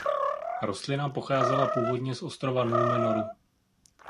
Rostlina pocházela původně z ostrova Númenoru.